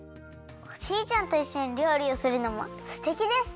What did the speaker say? おじいちゃんといっしょにりょうりをするのもすてきです！